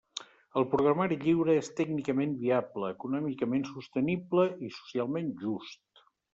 El programari lliure és tècnicament viable, econòmicament sostenible i socialment just.